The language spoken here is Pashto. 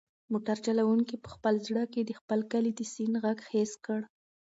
موټر چلونکي په خپل زړه کې د خپل کلي د سیند غږ حس کړ.